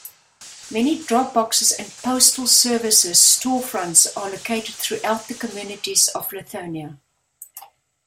Many drop boxes and postal services storefronts are located throughout the communities of Lithonia.